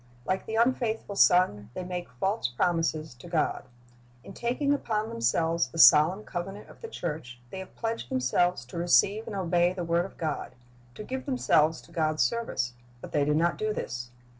Like the unfaithful son, they make false promises to God. In taking upon themselves the solemn covenant of the church they have pledged themselves to receive and obey the word of God, to give themselves to G od's service, but they do not do this.